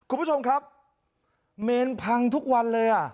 คุณผู้ชมครับเมนพังทุกวันเลยอ่ะ